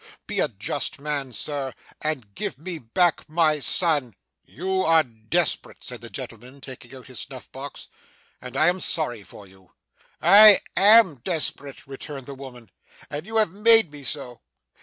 Be a just man, Sir, and give me back my son.' 'You are desperate,' said the gentleman, taking out his snuff box, 'and I am sorry for you.' 'I AM desperate,' returned the woman, 'and you have made me so.